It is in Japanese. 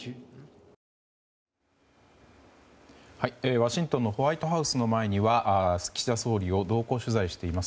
ワシントンのホワイトハウスの前には岸田総理を同行取材しています